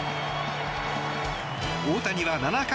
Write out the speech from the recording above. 大谷は７回